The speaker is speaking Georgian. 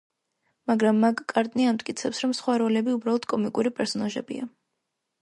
მაგრამ მაკ-კარტნი ამტკიცებს, რომ სხვა როლები უბრალოდ კომიკური პერსონაჟებია.